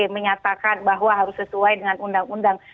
menyatakan bahwa harus sesuai dengan undang undang